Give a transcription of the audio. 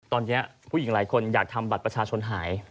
ตอนนี้ผู้หญิงหลายคนอยากทำบัตรประชาชนหาย